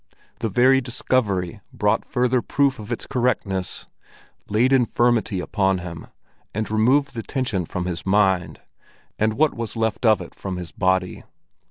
The very discovery brought further proof of its correctness, laid infirmity upon him, and removed the tension from his mind, and what was left of it from his body.